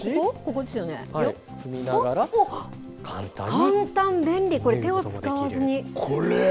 こっちも、簡単、便利、これ、手を使わずに。